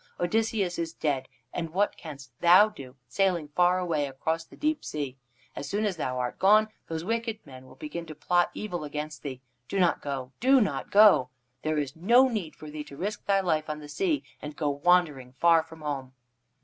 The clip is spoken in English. Odysseus is dead, and what canst thou do, sailing far away across the deep sea? As soon as thou art gone, those wicked men will begin to plot evil against thee. Do not go. Do not go. There is no need for thee to risk thy life on the sea and go wandering far from home."